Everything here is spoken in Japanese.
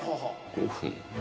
５分？